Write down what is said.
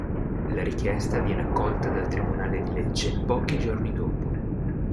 La richiesta viene accolta dal Tribunale di Lecce pochi giorni dopo.